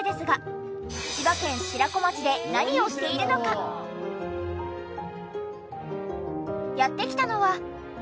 そしてやって来たのは。